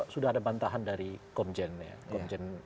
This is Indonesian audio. sudah ada bantahan dari komjen ya